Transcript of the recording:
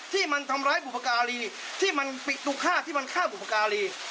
ที่มันทำร้ายบุพการีที่มันปิตุฆาตที่มันฆ่าบุพการี